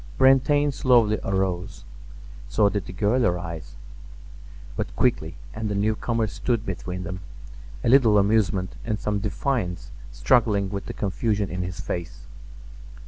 Brantain slowly arose; so did the girl arise, but quickly, and the newcomer stood between them, a little amusement and some defiance struggling with the confusion in his face.